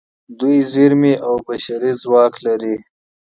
دوی منابع او بشري ځواک لري.